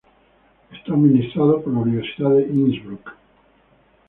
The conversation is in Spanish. Está administrado por la Universidad de Innsbruck.